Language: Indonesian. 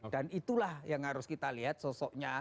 dan itulah yang harus kita lihat sosoknya